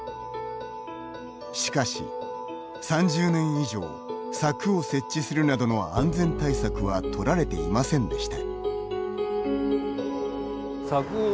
しかし、３０年以上柵を設置するなどの安全対策は取られていませんでした。